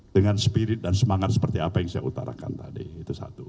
dengan spirit dan semangat seperti apa yang saya utarakan tadi itu satu